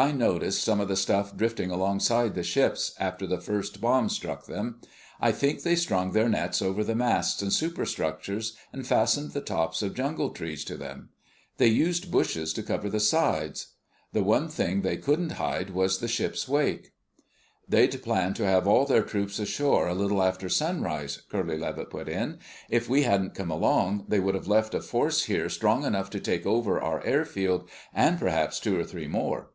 "I noticed some of the stuff drifting alongside the ships, after the first bombs struck them. I think they strung their nets over the masts and superstructures and fastened the tops of jungle trees to them. They used bushes to cover the sides. The one thing they couldn't hide was the ship's wake." "They'd planned to have all their troops ashore a little after sunrise," Curly Levitt put in. "If we hadn't come along, they would have left a force here strong enough to take over our airfield and perhaps two or three more."